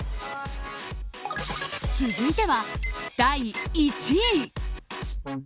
続いては、第１位。